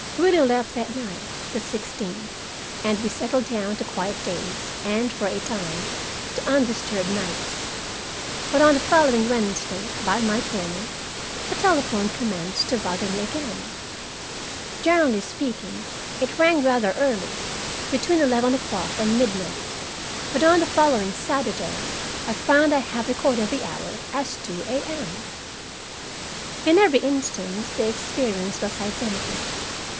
Willie left that night, the 16th, and we settled down to quiet days, and, for a time, to undisturbed nights. But on the following Wednesday, by my journal, the telephone commenced to bother me again. Generally speaking, it rang rather early, between eleven o'clock and midnight. But on the following Saturday night I find I have recorded the hour as 2 a.m. In every instance the experience was identical.